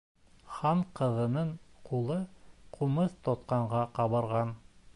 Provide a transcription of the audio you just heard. Хан ҡыҙының ҡулы ҡумыҙ тотҡанға ҡабарған.